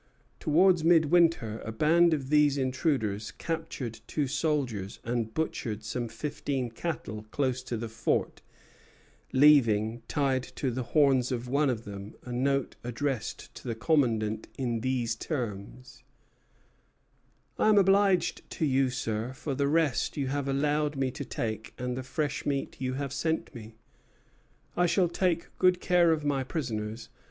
Towards midwinter a band of these intruders captured two soldiers and butchered some fifteen cattle close to the fort, leaving tied to the horns of one of them a note addressed to the commandant in these terms: "I am obliged to you, sir, for the rest you have allowed me to take and the fresh meat you have sent me. I shall take good care of my prisoners.